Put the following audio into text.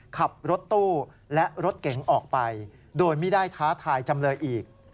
ขับรถตู้และรถเก๋งออกไปโดยไม่ได้ท้าทายจำเลยอีก